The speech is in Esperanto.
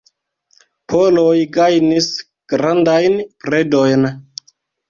Poloj gajnis grandajn predojn.